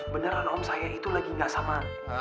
beneran om saya itu lagi gak sama